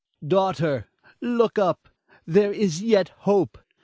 Daughter, look up! there is yet hope.